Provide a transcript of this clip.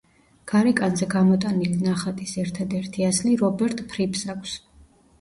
გარეკანზე გამოტანილი ნახატის ერთადერთი ასლი რობერტ ფრიპს აქვს.